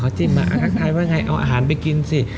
เขาจิ้มมาอ่ะใครว่าไงเอาอาหารไปกินสิ